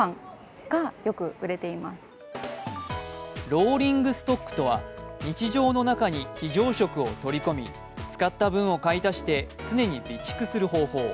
ローリングストックとは、日常の中に非常食を取り込み、使った分を買い足して常に備蓄する方法。